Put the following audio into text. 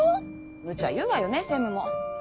むちゃ言うわよね専務も。